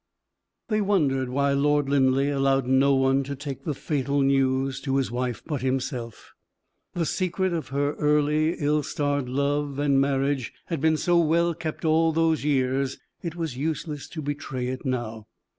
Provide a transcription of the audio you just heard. They wondered why Lord Linleigh allowed no one to take the fatal news to his wife but himself. The secret of her early ill starred love and marriage had been so well kept all those years, it was useless to betray it now.